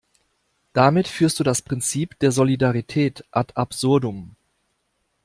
Damit führst du das Prinzip der Solidarität ad absurdum.